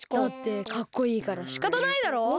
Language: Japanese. だってかっこいいからしかたないだろ。